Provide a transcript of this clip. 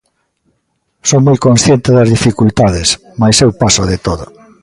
Son moi consciente das dificultades, mais eu paso de todo.